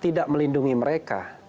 tidak melindungi mereka